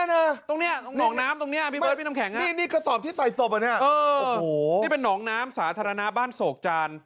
นี่นี่กระสอบที่ใส่ศพอันนี้นี่เป็นน้องน้ำสาธารณะบ้านโศกจาน